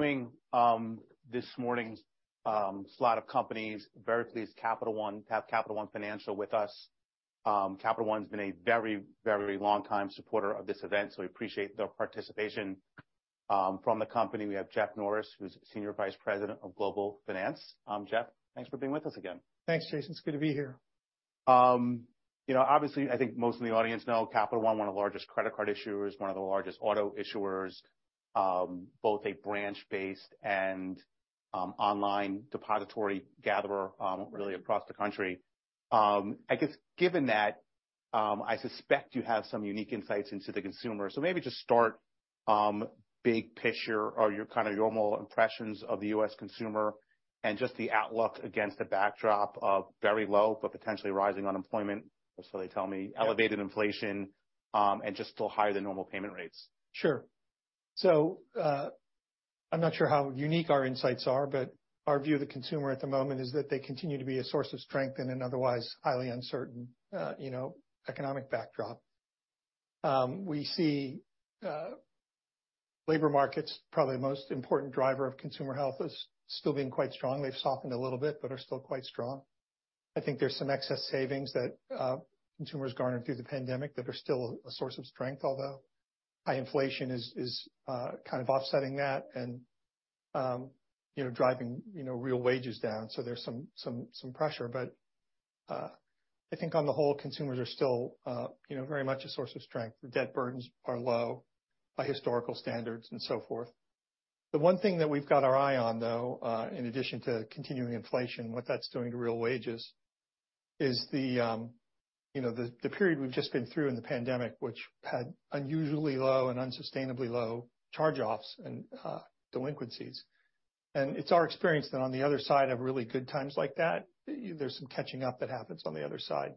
this morning, slot of companies. Very pleased to have Capital One Financial with us. Capital One's been a very, very long-time supporter of this event, so we appreciate their participation. From the company, we have Jeff Norris, who's Senior Vice President of Global Finance. Jeff, thanks for being with us again. Thanks, Jason. It's good to be here. you know, obviously, I think most of the audience know Capital One, one of the largest credit card issuers, one of the largest auto issuers, both a branch-based and online depository gatherer, really across the country. I guess given that, I suspect you have some unique insights into the consumer. Maybe just start, big picture or your kind of normal impressions of the U.S. consumer and just the outlook against the backdrop of very low but potentially rising unemployment, or so they tell me, elevated inflation, and just still higher than normal payment rates. Sure. I'm not sure how unique our insights are, but our view of the consumer at the moment is that they continue to be a source of strength in an otherwise highly uncertain, you know, economic backdrop. We see, labor markets, probably the most important driver of consumer health, as still being quite strong. They've softened a little bit, but are still quite strong. I think there's some excess savings that, consumers garnered through the pandemic that are still a source of strength, although high inflation is, kind of offsetting that and, you know, driving, you know, real wages down. There's some pressure. I think on the whole, consumers are still, you know, very much a source of strength. Debt burdens are low by historical standards and so forth. The one thing that we've got our eye on, though, in addition to continuing inflation, what that's doing to real wages, is the, you know, the period we've just been through in the pandemic, which had unusually low and unsustainably low charge-offs and delinquencies. It's our experience that on the other side of really good times like that, there's some catching up that happens on the other side.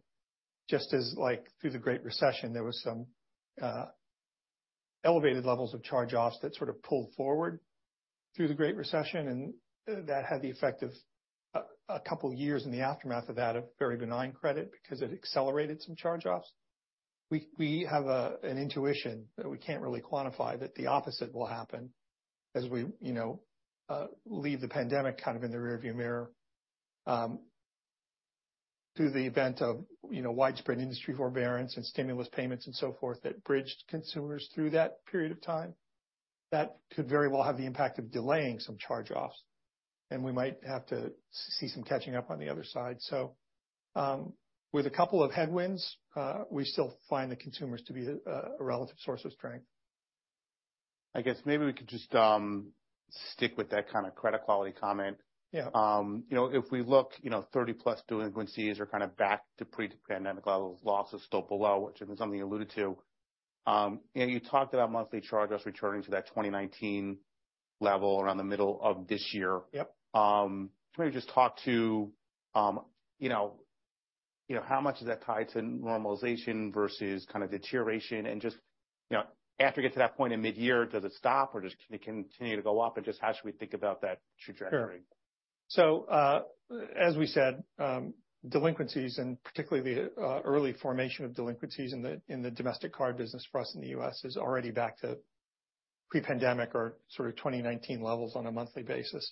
Just as, like, through the Great Recession, there was some elevated levels of charge-offs that sort of pulled forward through the Great Recession, and that had the effect of a couple years in the aftermath of that, of very benign credit because it accelerated some charge-offs. We have an intuition that we can't really quantify that the opposite will happen as we, you know, leave the pandemic kind of in the rearview mirror. Through the event of, you know, widespread industry forbearance and stimulus payments and so forth that bridged consumers through that period of time, that could very well have the impact of delaying some charge-offs. We might have to see some catching up on the other side. With a couple of headwinds, we still find the consumers to be a relative source of strength. I guess maybe we could just stick with that kind of credit quality comment. Yeah. you know, if we look, you know, 30-plus delinquencies are kind of back to pre-pandemic levels. Losses still below, which is something you alluded to. you know, you talked about monthly charge-offs returning to that 2019 level around the middle of this year. Yep. Can you just talk to, you know, you know, how much is that tied to normalization versus kind of deterioration? Just, you know, after you get to that point in mid-year, does it stop, or does it continue to go up? Just how should we think about that trajectory? Sure. As we said, delinquencies, and particularly the early formation of delinquencies in the domestic card business for us in the US, is already back to pre-pandemic or sort of 2019 levels on a monthly basis.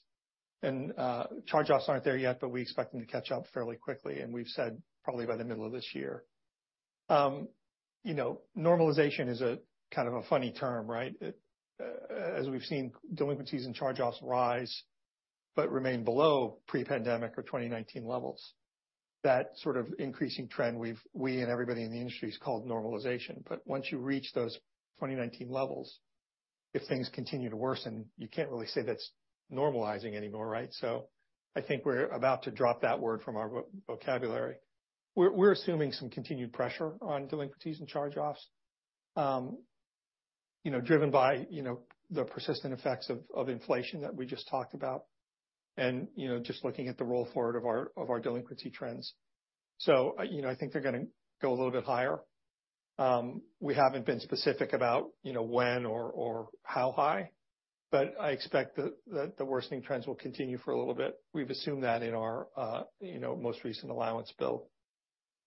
Charge-offs aren't there yet, but we expect them to catch up fairly quickly, and we've said probably by the middle of this year. You know, normalization is a kind of a funny term, right? As we've seen delinquencies and charge-offs rise but remain below pre-pandemic or 2019 levels. That sort of increasing trend we and everybody in the industry has called normalization. Once you reach those 2019 levels, if things continue to worsen, you can't really say that's normalizing anymore, right? I think we're about to drop that word from our vocabulary. We're assuming some continued pressure on delinquencies and charge-offs, you know, driven by, you know, the persistent effects of inflation that we just talked about and, you know, just looking at the roll forward of our delinquency trends. you know, I think they're going to go a little bit higher. We haven't been specific about, you know, when or how high, but I expect the worsening trends will continue for a little bit. We've assumed that in our, you know, most recent allowance build.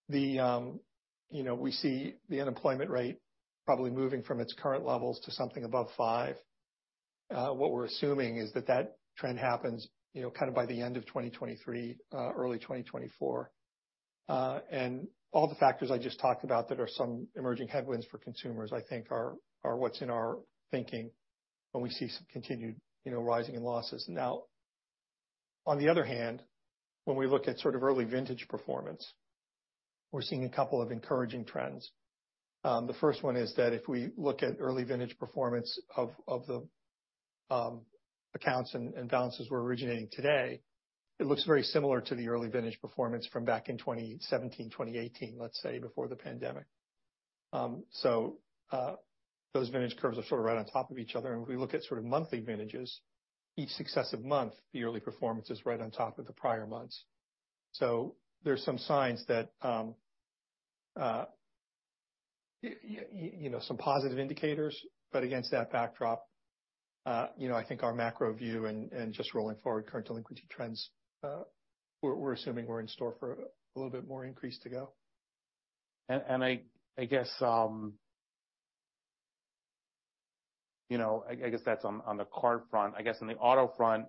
you know, we see the unemployment rate probably moving from its current levels to something above five. What we're assuming is that that trend happens, you know, kind of by the end of 2023, early 2024. All the factors I just talked about that are some emerging headwinds for consumers, I think are what's in our thinking when we see some continued, you know, rising in losses. Now, on the other hand, when we look at sort of early vintage performance, we're seeing a couple of encouraging trends. The first one is that if we look at early vintage performance of the accounts and balances we're originating today, it looks very similar to the early vintage performance from back in 2017, 2018, let's say, before the pandemic. Those vintage curves are sort of right on top of each other. If we look at sort of monthly vintages, each successive month, the early performance is right on top of the prior months. There's some signs that, you know, some positive indicators. Against that backdrop, you know, I think our macro view and just rolling forward current delinquency trends, we're assuming we're in store for a little bit more increase to go. I guess, you know, I guess that's on the card front. I guess on the auto front,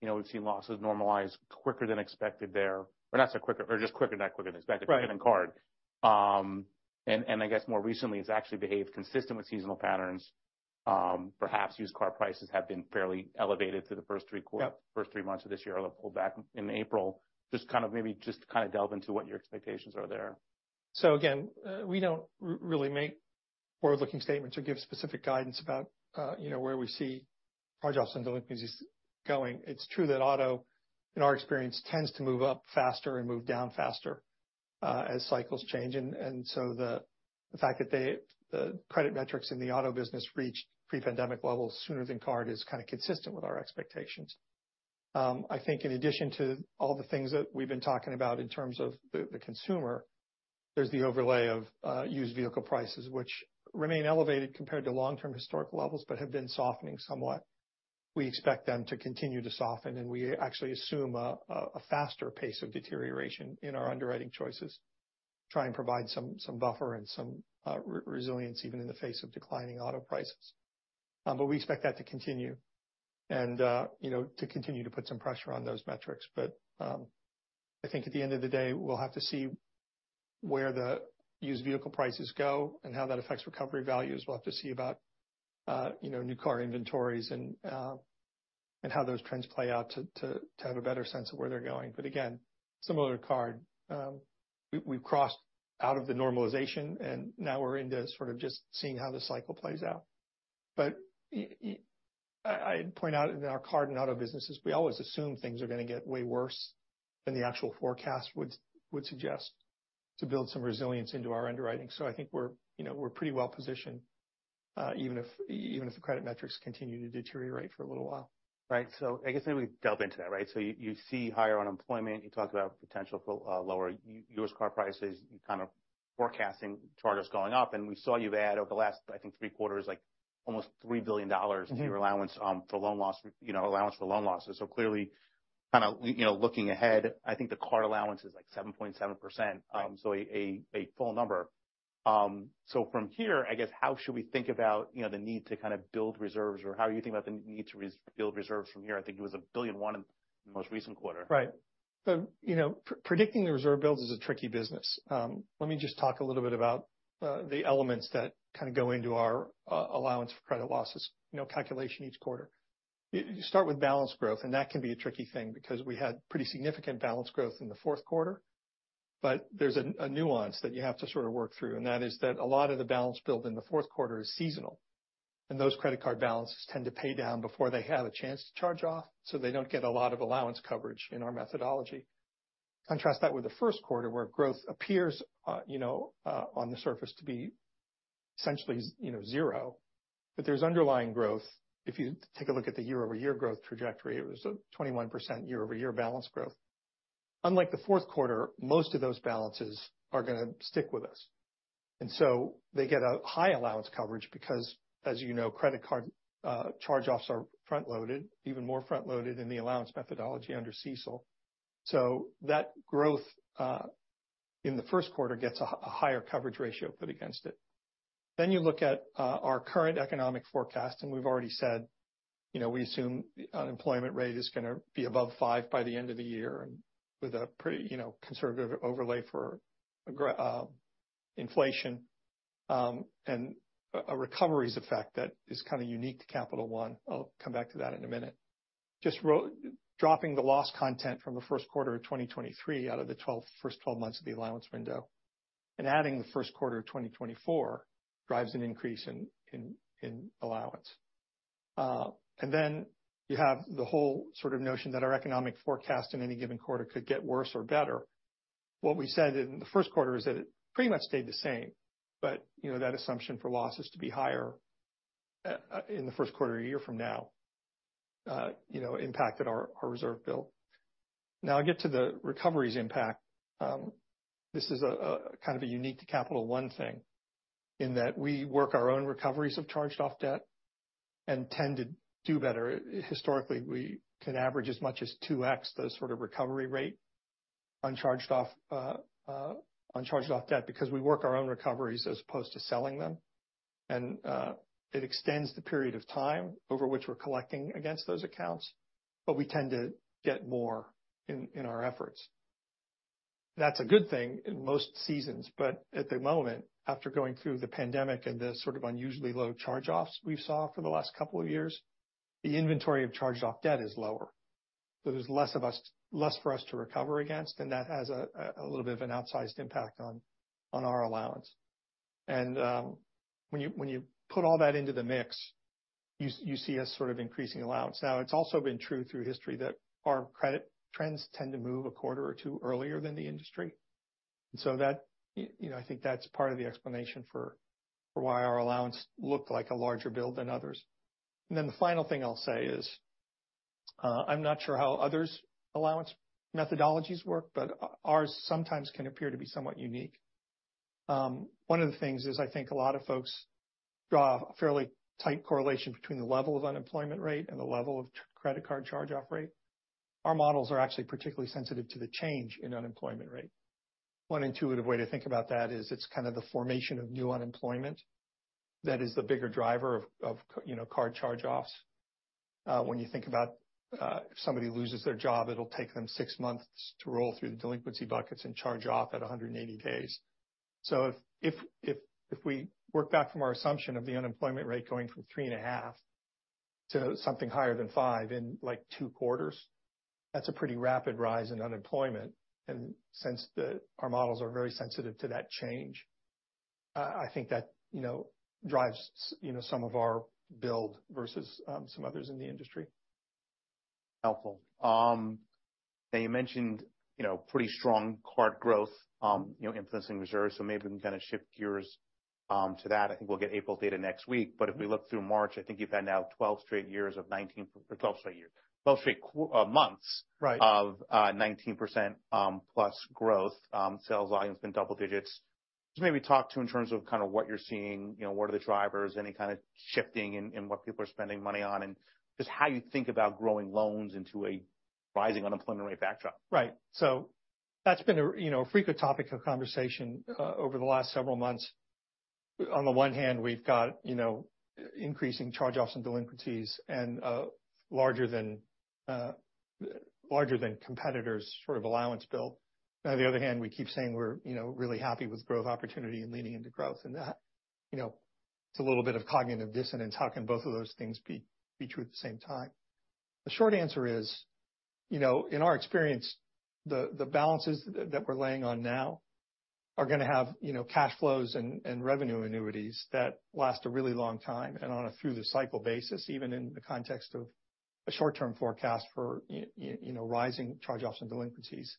you know, we've seen losses normalize quicker than expected there. just quicker than expected. Right. -than card. I guess more recently it's actually behaved consistent with seasonal patterns. Perhaps used car prices have been fairly elevated through the first three. Yep. first three months of this year, although pulled back in April. Just kind of maybe just to kind of delve into what your expectations are there. Again, we don't really make forward-looking statements or give specific guidance about, you know, where we see charge-offs and delinquencies going. It's true that auto, in our experience, tends to move up faster and move down faster as cycles change. The fact that the credit metrics in the auto business reached pre-pandemic levels sooner than card is kind of consistent with our expectations. I think in addition to all the things that we've been talking about in terms of the consumer, there's the overlay of used vehicle prices, which remain elevated compared to long-term historical levels, but have been softening somewhat. We expect them to continue to soften. We actually assume a faster pace of deterioration in our underwriting choices to try and provide some buffer and some resilience even in the face of declining auto prices. We expect that to continue and you know, to continue to put some pressure on those metrics. I think at the end of the day, we'll have to see where the used vehicle prices go and how that affects recovery values. We'll have to see about you know, new car inventories and how those trends play out to have a better sense of where they're going. Again, similar to card, we've crossed out of the normalization and now we're into sort of just seeing how the cycle plays out. I'd point out in our card and auto businesses, we always assume things are gonna get way worse than the actual forecast would suggest to build some resilience into our underwriting. I think we're, you know, we're pretty well-positioned, even if the credit metrics continue to deteriorate for a little while. Right. I guess maybe we delve into that, right? You see higher unemployment, you talk about potential for lower used car prices. You're kind of forecasting charges going up. We saw you've had over the last, I think, three quarters, like almost $3 billion. Mm-hmm. to your allowance, you know, allowance for loan losses. Clearly, you know, looking ahead, I think the card allowance is like 7.7%. Right. A full number. From here, I guess, how should we think about, you know, the need to kind of build reserves, or how are you thinking about the need to build reserves from here? I think it was 1.1 billion in the most recent quarter. Right. you know, predicting the reserve builds is a tricky business. Let me just talk a little bit about the elements that kind of go into our allowance for credit losses, you know, calculation each quarter. You start with balance growth, and that can be a tricky thing because we had pretty significant balance growth in the fourth quarter. There's a nuance that you have to sort of work through, that is that a lot of the balance build in the fourth quarter is seasonal. Those credit card balances tend to pay down before they have a chance to charge off, so they don't get a lot of allowance coverage in our methodology. Contrast that with the first quarter, where growth appears, you know, on the surface to be essentially is, you know, 0, there's underlying growth. If you take a look at the year-over-year growth trajectory, it was a 21% year-over-year balance growth. Unlike the fourth quarter, most of those balances are going to stick with us. They get a high allowance coverage because, as you know, credit card charge-offs are front-loaded, even more front-loaded in the allowance methodology under CECL. That growth, in the first quarter gets a higher coverage ratio put against it. You look at, our current economic forecast, and we've already said, you know, we assume the unemployment rate is gonna be above 5% by the end of the year and with a pretty, you know, conservative overlay for inflation, and a recovery's effect that is kind of unique to Capital One. I'll come back to that in a minute. Just dropping the loss content from the first quarter of 2023 out of the first 12 months of the allowance window and adding the first quarter of 2024 drives an increase in allowance. Then you have the whole sort of notion that our economic forecast in any given quarter could get worse or better. What we said in the first quarter is that it pretty much stayed the same, you know, that assumption for losses to be higher in the first quarter a year from now, you know, impacted our reserve build. I'll get to the recoveries impact. This is a kind of a unique to Capital One thing in that we work our own recoveries of charged off debt and tend to do better. Historically, we can average as much as 2x the sort of recovery rate on charged off debt because we work our own recoveries as opposed to selling them. It extends the period of time over which we're collecting against those accounts, but we tend to get more in our efforts. That's a good thing in most seasons, but at the moment, after going through the pandemic and the sort of unusually low charge-offs we saw for the last couple of years, the inventory of charged off debt is lower. There's less for us to recover against, and that has a little bit of an outsized impact on our allowance. When you, when you put all that into the mix, you see us sort of increasing allowance. It's also been true through history that our credit trends tend to move a quarter or two earlier than the industry. You know, I think that's part of the explanation for why our allowance looked like a larger build than others. The final thing I'll say is, I'm not sure how others' allowance methodologies work, but ours sometimes can appear to be somewhat unique. One of the things is I think a lot of folks draw a fairly tight correlation between the level of unemployment rate and the level of credit card charge off rate. Our models are actually particularly sensitive to the change in unemployment rate. One intuitive way to think about that is it's kind of the formation of new unemployment that is the bigger driver of, you know, card charge offs. When you think about, if somebody loses their job, it'll take them six months to roll through the delinquency buckets and charge off at 180 days. If we work back from our assumption of the unemployment rate going from 3.5 to something higher than 5 in, like, two quarters, that's a pretty rapid rise in unemployment. Since our models are very sensitive to that change, I think that, you know, drives you know, some of our build versus some others in the industry. Helpful. Now you mentioned, you know, pretty strong card growth, you know, influencing reserves, so maybe we can kind of shift gears to that. I think we'll get April data next week. If we look through March, I think you've had now 12 straight months. Right. of 19% plus growth. Sales volume's been double digits. Just maybe talk to in terms of kind of what you're seeing, you know, what are the drivers, any kind of shifting in what people are spending money on, and just how you think about growing loans into a rising unemployment rate backdrop. Right. That's been a, you know, a frequent topic of conversation, over the last several months. On the one hand, we've got, you know, increasing charge-offs and delinquencies and larger than competitors' sort of allowance bill. On the other hand, we keep saying we're, you know, really happy with growth opportunity and leaning into growth and that. You know, it's a little bit of cognitive dissonance. How can both of those things be true at the same time? The short answer is, you know, in our experience, the balances that we're laying on now are gonna have, you know, cash flows and revenue annuities that last a really long time and on a through the cycle basis, even in the context of a short-term forecast for you know, rising charge-offs and delinquencies.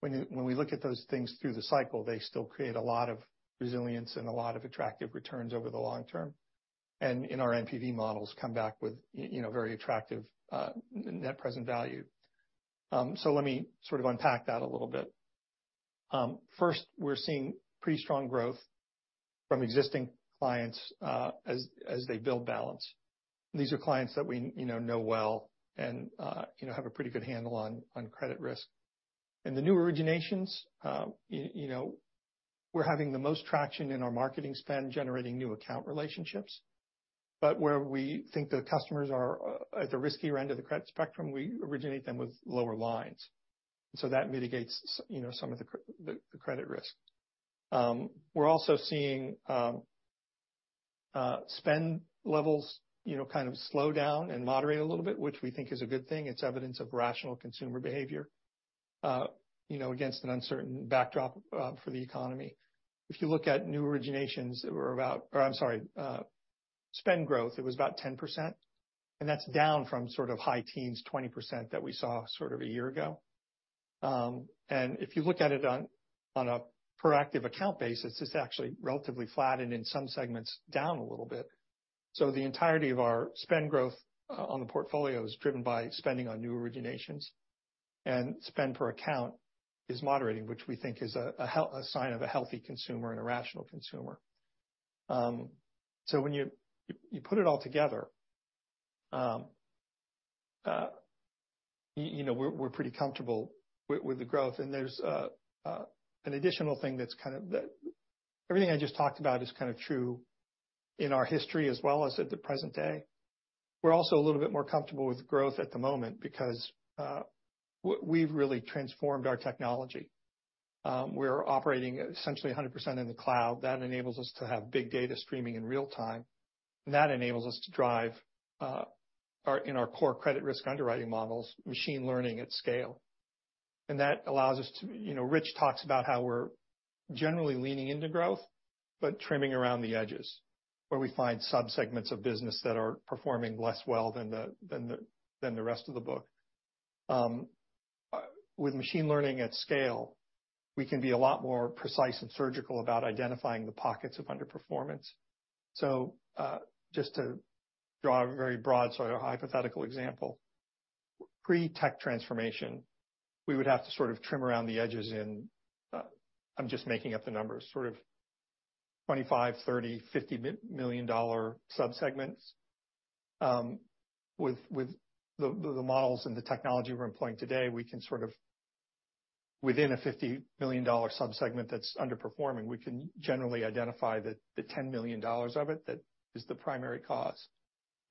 When we look at those things through the cycle, they still create a lot of resilience and a lot of attractive returns over the long term, in our NPV models come back with you know, very attractive net present value. Let me sort of unpack that a little bit. First, we're seeing pretty strong growth from existing clients, as they build balance. These are clients that we, you know well and, you know, have a pretty good handle on credit risk. In the new originations, you know, we're having the most traction in our marketing spend generating new account relationships. Where we think the customers are at the riskier end of the credit spectrum, we originate them with lower lines. That mitigates you know, some of the credit risk. We're also seeing, spend levels, you know, kind of slow down and moderate a little bit, which we think is a good thing. It's evidence of rational consumer behavior, you know, against an uncertain backdrop, for the economy. If you look at new originations spend growth, it was about 10%, and that's down from sort of high teens, 20% that we saw sort of a year ago. If you look at it on a proactive account basis, it's actually relatively flat and in some segments down a little bit. The entirety of our spend growth on the portfolio is driven by spending on new originations. Spend per account is moderating, which we think is a sign of a healthy consumer and a rational consumer. When you put it all together, you know, we're pretty comfortable with the growth. There's an additional thing that's kind of everything I just talked about is kind of true in our history as well as at the present day. We're also a little bit more comfortable with growth at the moment because we've really transformed our technology. We're operating essentially 100% in the cloud. That enables us to have big data streaming in real time. That enables us to drive, our, in our core credit risk underwriting models, machine learning at scale. That allows us to, you know, Rich talks about how we're generally leaning into growth, but trimming around the edges where we find sub-segments of business that are performing less well than the rest of the book. With machine learning at scale, we can be a lot more precise and surgical about identifying the pockets of underperformance. Just to draw a very broad sort of hypothetical example, pre-tech transformation, we would have to sort of trim around the edges in, I'm just making up the numbers, sort of $25 million, $30 million, $50 million sub-segments. With the models and the technology we're employing today, we can sort of within a $50 million sub-segment that's underperforming, we can generally identify the $10 million of it that is the primary cause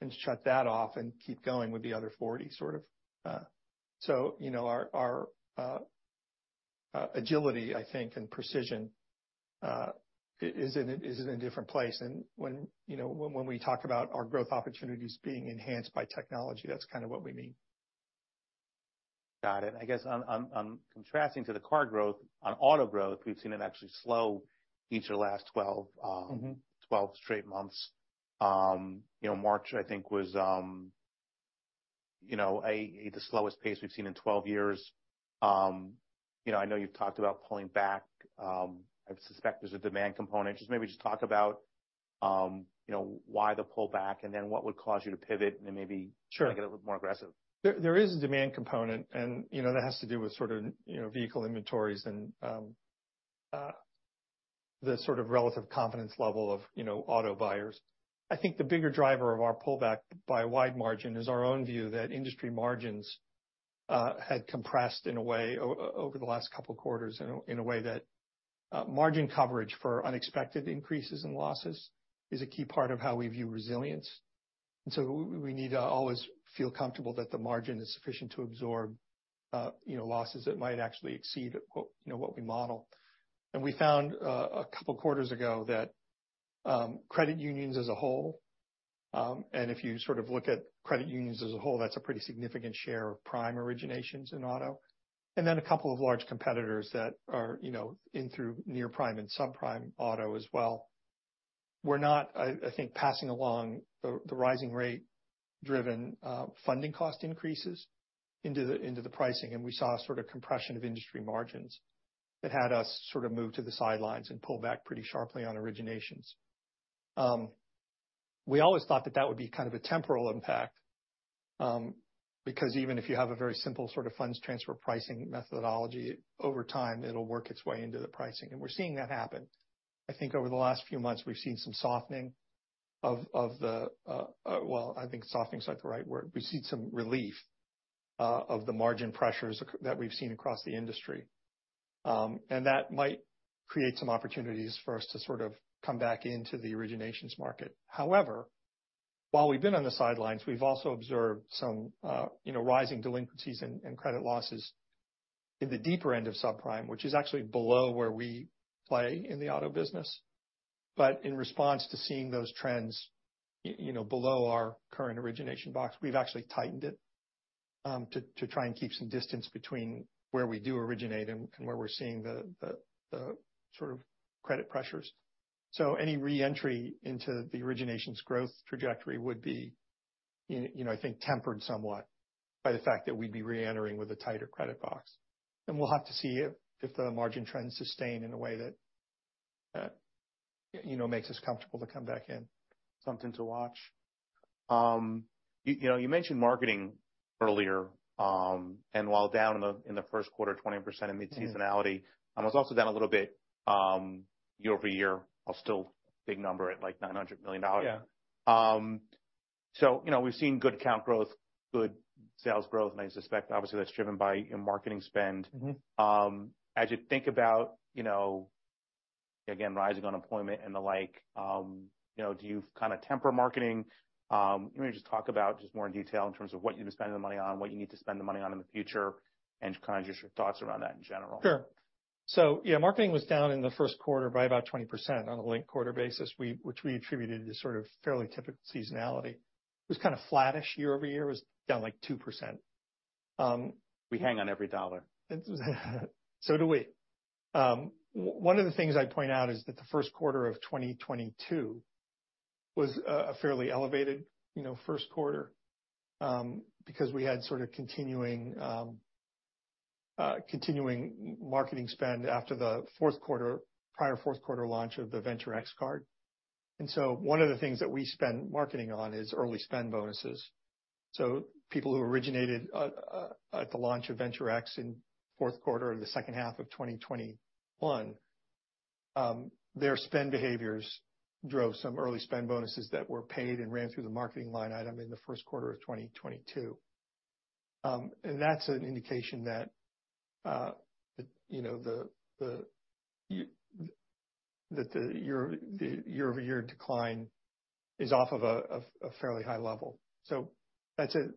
and shut that off and keep going with the other 40 sort of. So, you know, our agility, I think, and precision is in a different place. When, you know, when we talk about our growth opportunities being enhanced by technology, that's kind of what we mean. Got it. I guess on contrasting to the card growth, on auto growth, we've seen it actually slow each of the last 12. Mm-hmm. 12 straight months. you know, March, I think, was, you know, a, the slowest pace we've seen in 12 years. you know, I know you've talked about pulling back. I suspect there's a demand component. Just maybe just talk about you know, why the pullback? What would cause you to pivot and then maybe- Sure. Make it a little more aggressive? There is a demand component and, you know, that has to do with sort of, you know, vehicle inventories and the sort of relative confidence level of, you know, auto buyers. I think the bigger driver of our pullback by a wide margin is our own view that industry margins had compressed in a way over the last couple of quarters in a way that margin coverage for unexpected increases in losses is a key part of how we view resilience. We need to always feel comfortable that the margin is sufficient to absorb, you know, losses that might actually exceed what, you know, what we model. We found a couple quarters ago that credit unions as a whole, and if you sort of look at credit unions as a whole, that's a pretty significant share of prime originations in auto. A couple of large competitors that are, you know, in through near-prime and subprime auto as well. We're not, I think, passing along the rising rate-driven funding cost increases into the pricing, and we saw a sort of compression of industry margins that had us sort of move to the sidelines and pull back pretty sharply on originations. We always thought that that would be kind of a temporal impact, because even if you have a very simple sort of funds transfer pricing methodology, over time, it'll work its way into the pricing. We're seeing that happen. I think over the last few months we've seen some softening of the, well, I think softening's not the right word. We've seen some relief of the margin pressures that we've seen across the industry. That might create some opportunities for us to sort of come back into the originations market. However, while we've been on the sidelines, we've also observed some, you know, rising delinquencies and credit losses in the deeper end of subprime, which is actually below where we play in the auto business. In response to seeing those trends you know, below our current origination box, we've actually tightened it to try and keep some distance between where we do originate and where we're seeing the sort of credit pressures. Any re-entry into the originations growth trajectory would be, you know, I think tempered somewhat by the fact that we'd be re-entering with a tighter credit box. We'll have to see if the margin trends sustain in a way that, you know, makes us comfortable to come back in. Something to watch. You, you know, you mentioned marketing earlier, and while down in the, in the first quarter 20% in mid seasonality, was also down a little bit, year-over-year, while still big number at like $900 million. Yeah. You know, we've seen good count growth, good sales growth, and I suspect obviously that's driven by, you know, marketing spend. Mm-hmm. As you think about, you know, again, rising unemployment and the like, you know, do you kind of temper marketing? You want to just talk about just more in detail in terms of what you've been spending the money on, what you need to spend the money on in the future, and kind of just your thoughts around that in general? Sure. Marketing was down in the first quarter by about 20% on a linked quarter basis, which we attributed to sort of fairly typical seasonality. It was kind of flattish year-over-year. It was down like 2%. We hang on every dollar. Do we. One of the things I'd point out is that the first quarter of 2022 was a fairly elevated, you know, first quarter, because we had sort of continuing marketing spend after the prior fourth quarter launch of the Venture X card. One of the things that we spend marketing on is early spend bonuses. People who originated at the launch of Venture X in fourth quarter or the second half of 2021, their spend behaviors drove some early spend bonuses that were paid and ran through the marketing line item in the first quarter of 2022. And that's an indication that, you know, the year-over-year decline is off of a fairly high level. That's an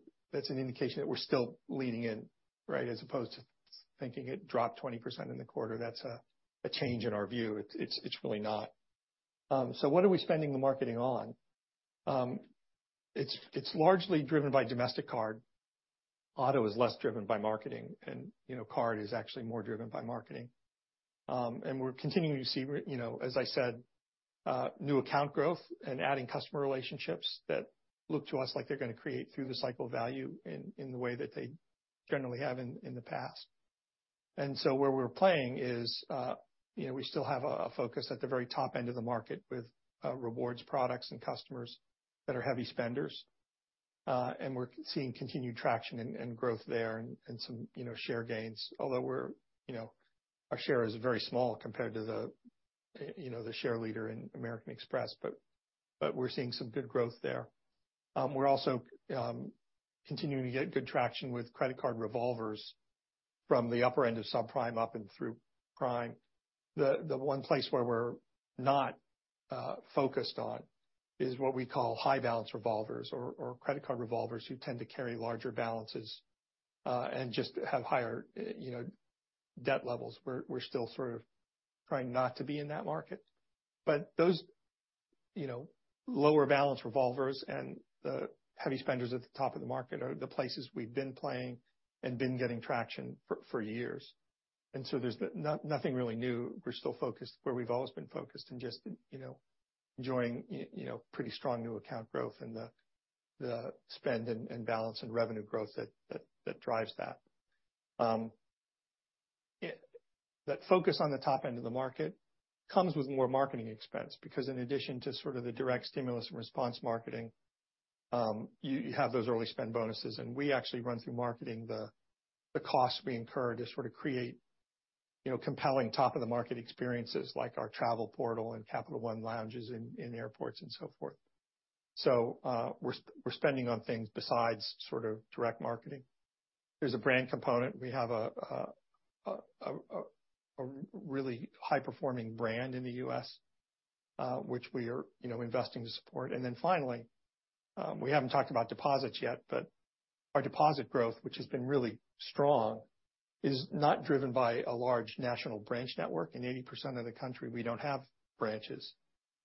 indication that we're still leaning in, right, as opposed to thinking it dropped 20% in the quarter. That's a change in our view. It's really not. What are we spending the marketing on? It's largely driven by domestic card. Auto is less driven by marketing and, you know, card is actually more driven by marketing. And we're continuing to see, you know, as I said, new account growth and adding customer relationships that look to us like they're gonna create through the cycle value in the way that they generally have in the past. Where we're playing is, you know, we still have a focus at the very top end of the market with rewards products and customers that are heavy spenders. We're seeing continued traction and growth there and some, you know, share gains. Although we're, you know, our share is very small compared to the, you know, the share leader in American Express, but we're seeing some good growth there. We're also continuing to get good traction with credit card revolvers from the upper end of subprime up and through prime. The one place where we're not focused on is what we call high balance revolvers or credit card revolvers who tend to carry larger balances and just have higher, you know, debt levels. We're still sort of trying not to be in that market. Those, you know, lower balance revolvers and the heavy spenders at the top of the market are the places we've been playing and been getting traction for years. So there's no-nothing really new. We're still focused where we've always been focused and just, you know, enjoying you know, pretty strong new account growth and the spend and balance and revenue growth that drives that. Yeah. That focus on the top end of the market comes with more marketing expense because in addition to sort of the direct stimulus and response marketing, you have those early spend bonuses. We actually run through marketing the cost we incur to sort of create, you know, compelling top of the market experiences like our travel portal and Capital One Lounges in airports and so forth. So we're spending on things besides sort of direct marketing. There's a brand component. We have a really high performing brand in the US, which we are, you know, investing to support. Finally, we haven't talked about deposits yet, but our deposit growth, which has been really strong, is not driven by a large national branch network. In 80% of the country, we don't have branches,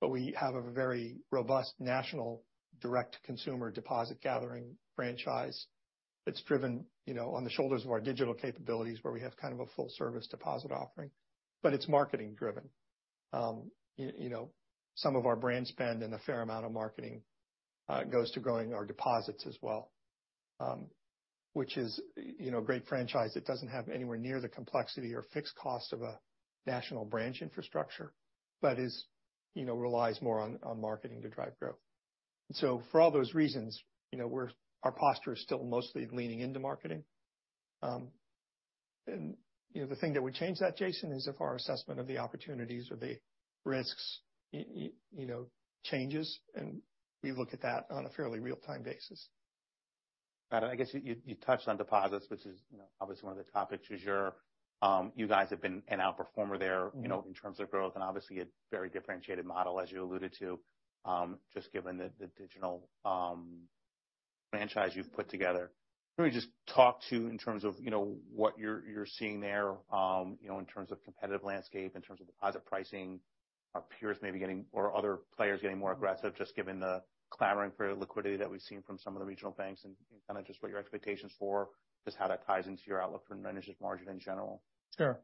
but we have a very robust national direct consumer deposit gathering franchise that's driven, you know, on the shoulders of our digital capabilities, where we have kind of a full service deposit offering, but it's marketing driven. You know, some of our brand spend and a fair amount of marketing goes to growing our deposits as well, which is, you know, a great franchise that doesn't have anywhere near the complexity or fixed cost of a national branch infrastructure, but is, you know, relies more on marketing to drive growth. For all those reasons, you know, our posture is still mostly leaning into marketing. And, you know, the thing that would change that, Jason, is if our assessment of the opportunities or the risks, you know, changes, and we look at that on a fairly real time basis. Jeff, I guess you touched on deposits, which is, you know, obviously one of the topics. You guys have been an outperformer there... Mm-hmm. You know, in terms of growth and obviously a very differentiated model as you alluded to, just given the digital franchise you've put together. Can we just talk to in terms of, you know, what you're seeing there, in terms of competitive landscape, in terms of deposit pricing, are peers maybe getting or other players getting more aggressive just given the clamoring for liquidity that we've seen from some of the regional banks and kind of just what your expectations for just how that ties into your outlook for net interest margin in general? Sure.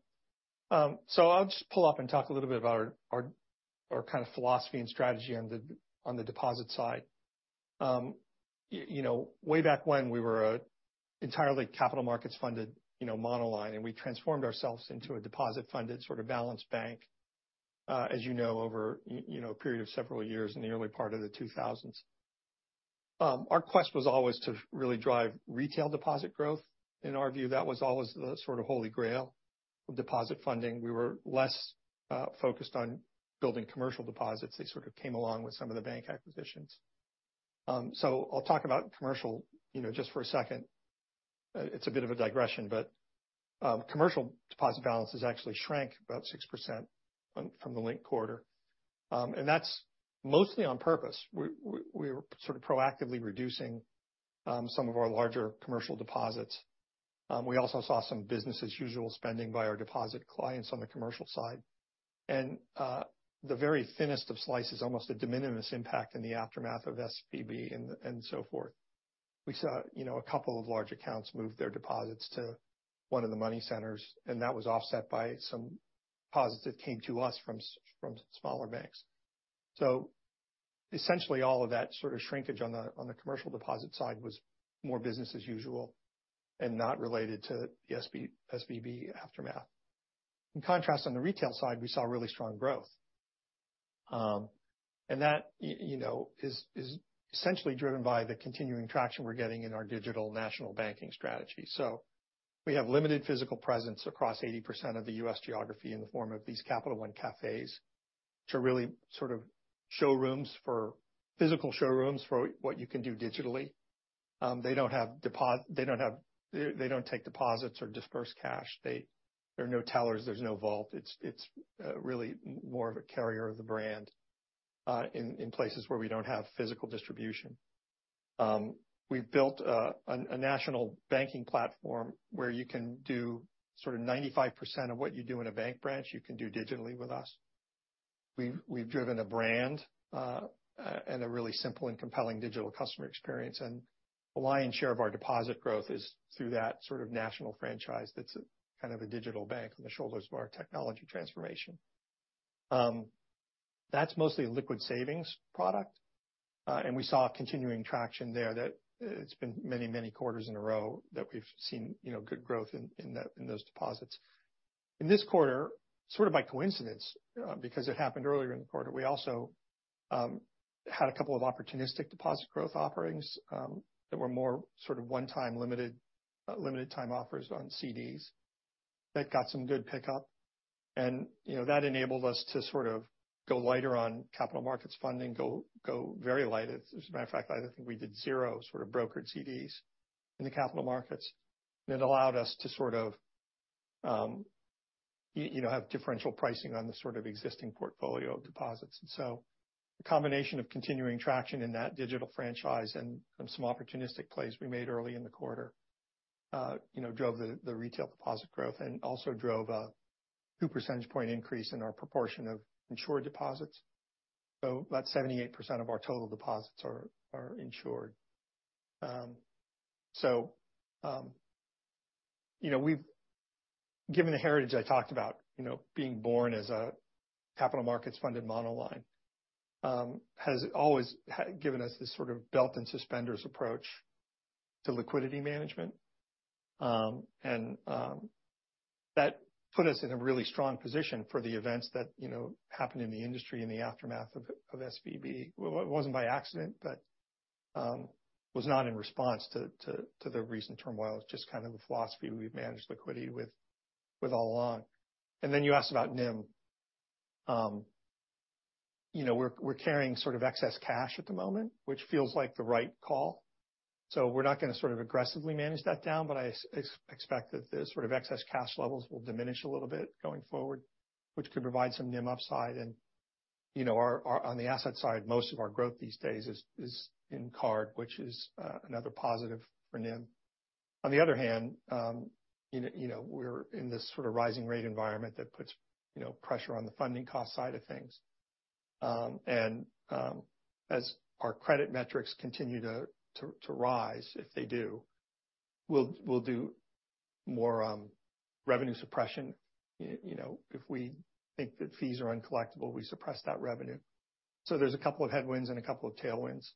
I'll just pull up and talk a little bit about our kind of philosophy and strategy on the, on the deposit side. you know, way back when we were a entirely capital markets funded, you know, monoline, and we transformed ourselves into a deposit funded sort of balance bank, as you know, over a period of several years in the early part of the 2000s. our quest was always to really drive retail deposit growth. In our view, that was always the sort of holy grail of deposit funding. We were less focused on building commercial deposits. They sort of came along with some of the bank acquisitions. I'll talk about commercial, you know, just for a second. It's a bit of a digression, but commercial deposit balances actually shrank about 6% from the linked quarter. That's mostly on purpose. We're sort of proactively reducing some of our larger commercial deposits. We also saw some business as usual spending by our deposit clients on the commercial side. The very thinnest of slices, almost a de minimis impact in the aftermath of SVB and so forth. We saw, you know, a couple of large accounts move their deposits to one of the money centers, and that was offset by some deposits that came to us from smaller banks. Essentially all of that sort of shrinkage on the commercial deposit side was more business as usual and not related to the SVB aftermath. In contrast, on the retail side, we saw really strong growth. That, you know, is essentially driven by the continuing traction we're getting in our digital national banking strategy. We have limited physical presence across 80% of the U.S. geography in the form of these Capital One Cafés to really sort of showrooms for physical showrooms for what you can do digitally. They don't take deposits or disperse cash. There are no tellers, there's no vault. It's really more of a carrier of the brand in places where we don't have physical distribution. We've built a national banking platform where you can do sort of 95% of what you do in a bank branch, you can do digitally with us. We've driven a brand and a really simple and compelling digital customer experience, and the lion's share of our deposit growth is through that sort of national franchise that's kind of a digital bank on the shoulders of our technology transformation. That's mostly a liquid savings product. We saw continuing traction there that it's been many, many quarters in a row that we've seen, you know, good growth in that, in those deposits. In this quarter, sort of by coincidence, because it happened earlier in the quarter, we also had a couple of opportunistic deposit growth offerings that were more sort of one-time limited time offers on CDs that got some good pickup. You know, that enabled us to sort of go lighter on capital markets funding, go very light. As a matter of fact, I think we did zero sort of brokered CDs in the capital markets. It allowed us to sort of, you know, have differential pricing on the sort of existing portfolio of deposits. The combination of continuing traction in that digital franchise and some opportunistic plays we made early in the quarter, you know, drove the retail deposit growth and also drove a two percentage point increase in our proportion of insured deposits. About 78% of our total deposits are insured. You know, we've given the heritage I talked about, you know, being born as a capital markets funded monoline, has always given us this sort of belt and suspenders approach to liquidity management. That put us in a really strong position for the events that, you know, happened in the industry in the aftermath of SVB. Wasn't by accident, but was not in response to the recent turmoil. It's just kind of the philosophy we've managed liquidity with all along. You asked about NIM. You know, we're carrying sort of excess cash at the moment, which feels like the right call. We're not going to sort of aggressively manage that down, but I expect that the sort of excess cash levels will diminish a little bit going forward, which could provide some NIM upside. You know, our on the asset side, most of our growth these days is in card, which is another positive for NIM. On the other hand, you know, we're in this sort of rising rate environment that puts, you know, pressure on the funding cost side of things. As our credit metrics continue to rise, if they do, we'll do more revenue suppression. You know, if we think that fees are uncollectible, we suppress that revenue. There's a couple of headwinds and a couple of tailwinds.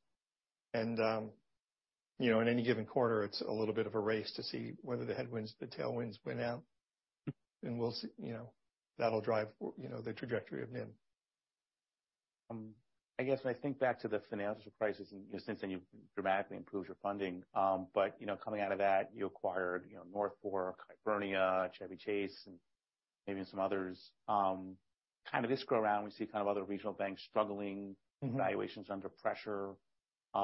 You know, in any given quarter, it's a little bit of a race to see whether the headwinds, the tailwinds win out. We'll see, you know, that'll drive, you know, the trajectory of NIM. I guess when I think back to the financial crisis, and since then you've dramatically improved your funding. You know, coming out of that, you acquired, you know, North Fork, Hibernia, Chevy Chase, and maybe some others. Kind of this go around, we see kind of other regional banks struggling... Mm-hmm. Valuations under pressure. You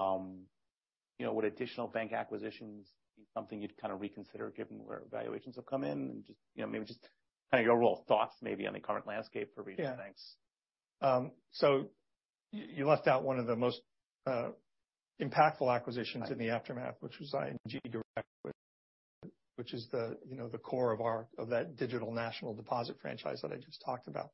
know, would additional bank acquisitions be something you'd kind of reconsider given where valuations have come in? Just, you know, maybe just kind of your overall thoughts maybe on the current landscape for regional banks? Yeah. You left out one of the most impactful acquisitions in the aftermath, which was ING Direct, which is the, you know, the core of that digital national deposit franchise that I just talked about.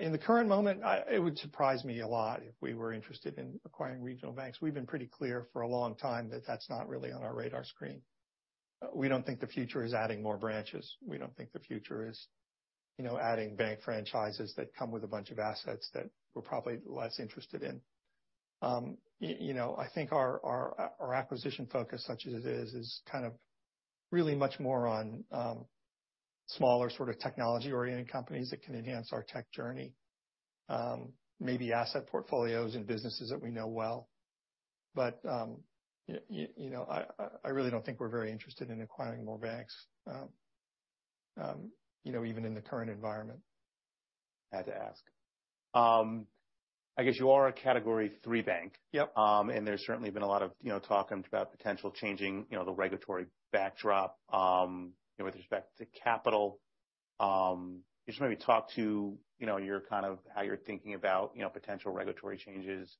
In the current moment, it would surprise me a lot if we were interested in acquiring regional banks. We've been pretty clear for a long time that that's not really on our radar screen. We don't think the future is adding more branches. We don't think the future is, you know, adding bank franchises that come with a bunch of assets that we're probably less interested in. You know, I think our acquisition focus, such as it is kind of really much more on smaller sort of technology-oriented companies that can enhance our tech journey. maybe asset portfolios and businesses that we know well. You know, I really don't think we're very interested in acquiring more banks, you know, even in the current environment. Had to ask. I guess you are a Category III bank. Yep. There's certainly been a lot of, you know, talk about potential changing, you know, the regulatory backdrop, you know, with respect to capital. Just maybe talk to, you know, your kind of how you're thinking about, you know, potential regulatory changes,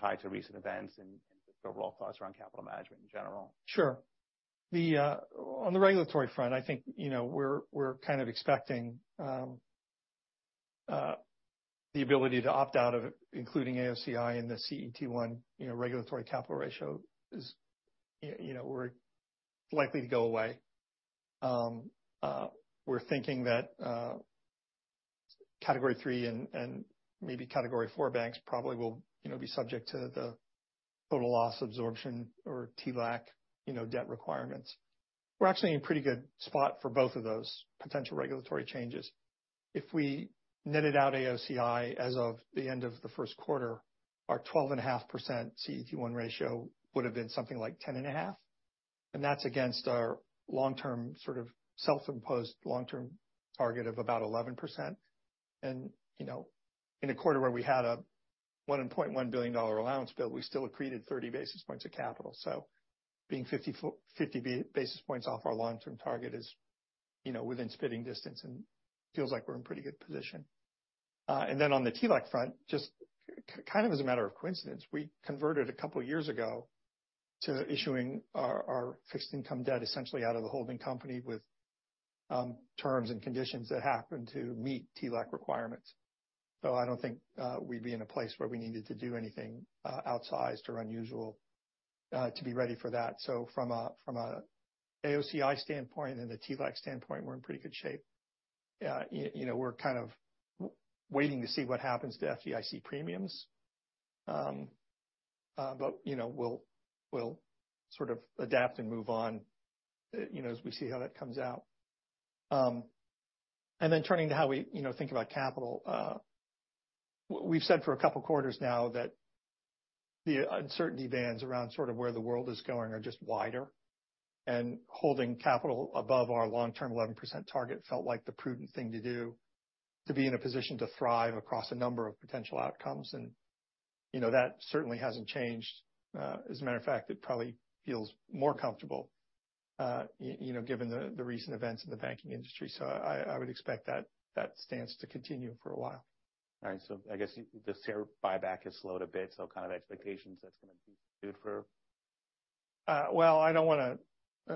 tied to recent events and just overall thoughts around capital management in general. Sure. On the regulatory front, I think, you know, we're kind of expecting the ability to opt out of including AOCI in the CET1, you know, regulatory capital ratio is, it's likely to go away. We're thinking that Category III and maybe Category IV banks probably will, you know, be subject to the total loss absorption or TLAC, you know, debt requirements. We're actually in a pretty good spot for both of those potential regulatory changes. If we netted out AOCI as of the end of the first quarter, our 12.5% CET1 ratio would have been something like 10.5%. That's against our long-term sort of self-imposed long-term target of about 11%. you know, in a quarter where we had a $1.1 billion dollar allowance bill, we still accreted 30 basis points of capital. Being 50 basis points off our long-term target is, you know, within spitting distance and feels like we're in pretty good position. On the TLAC front, just kind of as a matter of coincidence, we converted a couple years ago to issuing our fixed income debt essentially out of the holding company with terms and conditions that happen to meet TLAC requirements. I don't think we'd be in a place where we needed to do anything outsized or unusual to be ready for that. From a AOCI standpoint and a TLAC standpoint, we're in pretty good shape. You know, we're kind of waiting to see what happens to FDIC premiums. You know, we'll sort of adapt and move on, you know, as we see how that comes out. Then turning to how we, you know, think about capital. We've said for a couple of quarters now that the uncertainty bands around sort of where the world is going are just wider. Holding capital above our long-term 11% target felt like the prudent thing to do to be in a position to thrive across a number of potential outcomes. You know, that certainly hasn't changed. As a matter of fact, it probably feels more comfortable, you know, given the recent events in the banking industry. I would expect that stance to continue for a while. All right. I guess the share buyback has slowed a bit, so kind of expectations that's gonna be good for? Well,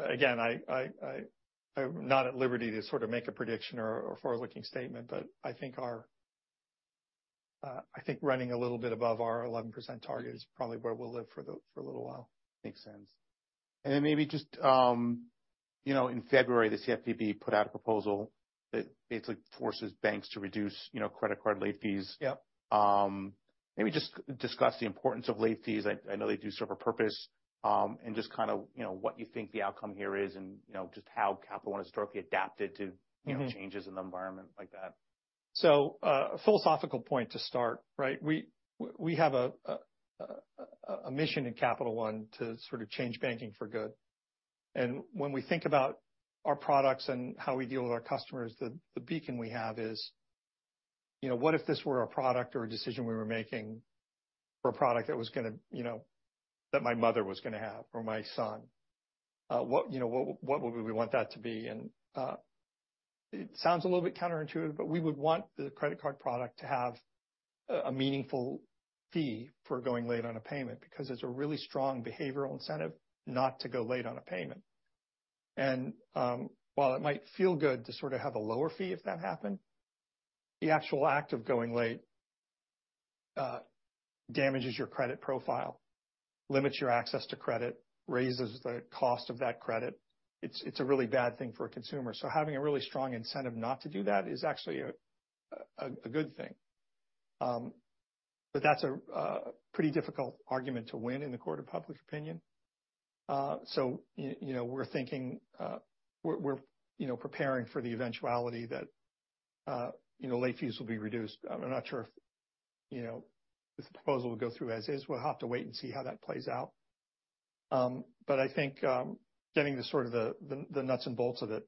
again, I'm not at liberty to sort of make a prediction or forward-looking statement, but I think running a little bit above our 11% target is probably where we'll live for a little while. Makes sense. Maybe just, you know, in February, the CFPB put out a proposal that basically forces banks to reduce, you know, credit card late fees. Yep. Maybe just discuss the importance of late fees. I know they do serve a purpose, and just kind of, you know, what you think the outcome here is and, you know, just how Capital One has historically adapted? Mm-hmm you know, changes in the environment like that. A philosophical point to start, right? We have a mission in Capital One to sort of change banking for good. When we think about our products and how we deal with our customers, the beacon we have is, you know, what if this were a product or a decision we were making for a product that was gonna, you know, that my mother was gonna have or my son? What, you know, what would we want that to be? It sounds a little bit counterintuitive, but we would want the credit card product to have a meaningful fee for going late on a payment because it's a really strong behavioral incentive not to go late on a payment. While it might feel good to sort of have a lower fee if that happened, the actual act of going late, damages your credit profile, limits your access to credit, raises the cost of that credit. It's a really bad thing for a consumer. Having a really strong incentive not to do that is actually a good thing. That's a pretty difficult argument to win in the court of public opinion. You know, we're thinking, you know, preparing for the eventuality that, you know, late fees will be reduced. I'm not sure if, you know, if the proposal will go through as is. We'll have to wait and see how that plays out. I think, getting to sort of the nuts and bolts of it,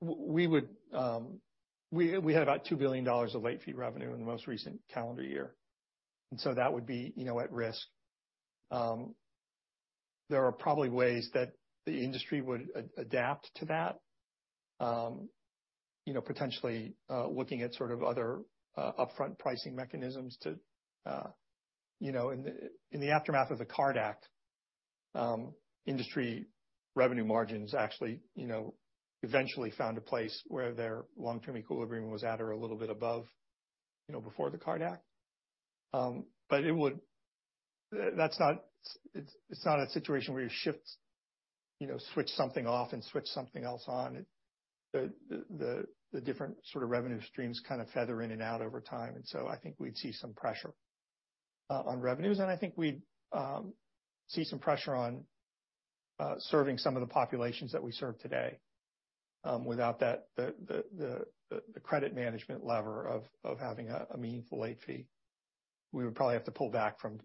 we would, we had about $2 billion of late fee revenue in the most recent calendar year, that would be, you know, at risk. There are probably ways that the industry would adapt to that, you know, potentially, looking at sort of other, upfront pricing mechanisms to, you know. In the aftermath of the CARD Act, industry revenue margins actually, you know, eventually found a place where their long-term equilibrium was at or a little bit above, you know, before the CARD Act. It would. It's not a situation where you shift, you know, switch something off and switch something else on. The different sort of revenue streams kind of feather in and out over time. I think we'd see some pressure on revenues, and I think we'd see some pressure on serving some of the populations that we serve today. Without the credit management lever of having a meaningful late fee, we would probably have to pull back from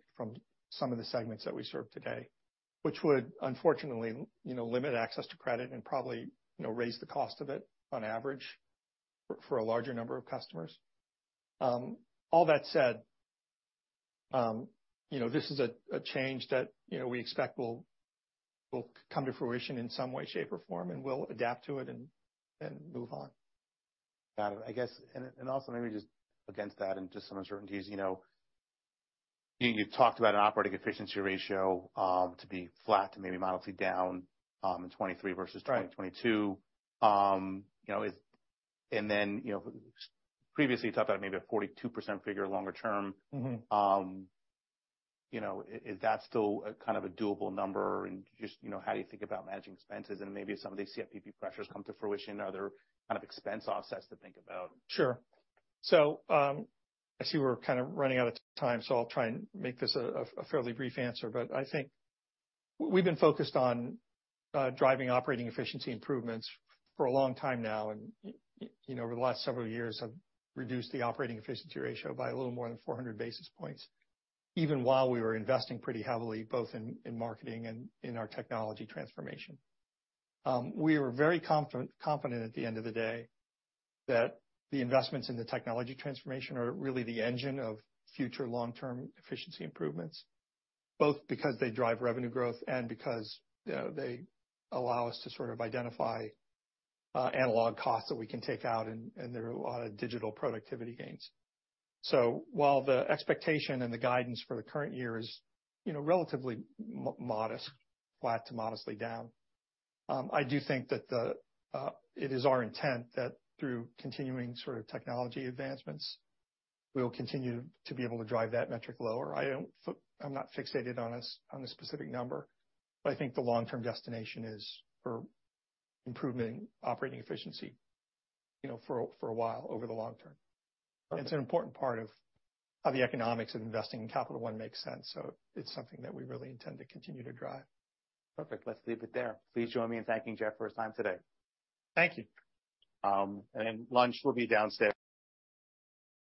some of the segments that we serve today, which would unfortunately, you know, limit access to credit and probably, you know, raise the cost of it on average for a larger number of customers. All that said, you know, this is a change that, you know, we expect will come to fruition in some way, shape, or form, and we'll adapt to it and move on. Got it. Also maybe just against that and just some uncertainties. You know, you talked about an operating efficiency ratio, to be flat to maybe modestly down, in 2023 versus- Right. 2022. you know, you know, previously you talked about maybe a 42% figure longer term. Mm-hmm. You know, is that still a kind of a doable number? Just, you know, how do you think about managing expenses and maybe if some of these CFPB pressures come to fruition, are there kind of expense offsets to think about? Sure. I see we're kind of running out of time, so I'll try and make this a fairly brief answer. I think we've been focused on driving operating efficiency improvements for a long time now, and you know, over the last several years have reduced the operating efficiency ratio by a little more than 400 basis points, even while we were investing pretty heavily both in marketing and in our technology transformation. We were very confident at the end of the day that the investments in the technology transformation are really the engine of future long-term efficiency improvements, both because they drive revenue growth and because, you know, they allow us to sort of identify analog costs that we can take out, and there are a lot of digital productivity gains. While the expectation and the guidance for the current year is, you know, relatively modest, flat to modestly down, I do think that it is our intent that through continuing sort of technology advancements, we will continue to be able to drive that metric lower. I'm not fixated on a specific number, but I think the long-term destination is for improvement in operating efficiency, you know, for a while over the long term. It's an important part of how the economics of investing in Capital One makes sense, so it's something that we really intend to continue to drive. Perfect. Let's leave it there. Please join me in thanking Jeff for his time today. Thank you. Lunch will be downstairs.